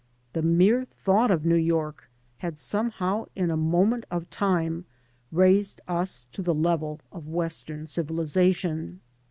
The mere thought of New York had somehow in a moment of time raised us to the level of Western civilization.